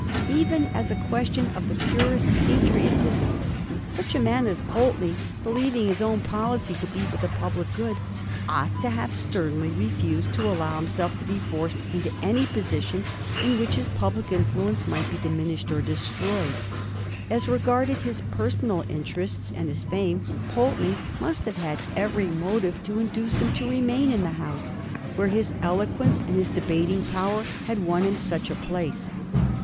Even as a question of the purest patriotism, such a man as Pulteney, believing his own policy to be for the public good, ought to have sternly refused to allow himself to be forced into any position in which his public influence must be dimin ished or destroyed. As regarded his personal interests and his fame, Pulteney must have had every motive to in duce him to remain in the House where his eloquence and his debating power had won him such a place.